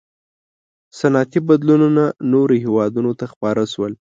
• صنعتي بدلونونه نورو هېوادونو ته خپاره شول.